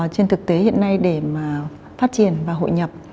trên thực tế hiện nay để mà phát triển và hội nhập